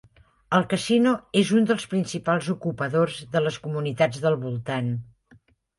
El casino és un dels principals ocupadors de les comunitats del voltant.